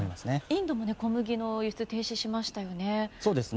インドも小麦の輸出停止しましたよね。